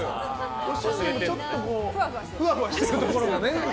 ご主人、ちょっとふわふわしているところがね。